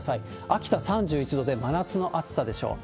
秋田３１度で、真夏の暑さでしょう。